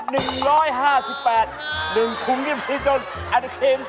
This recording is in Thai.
๑ถุงอินิพิษทองแอน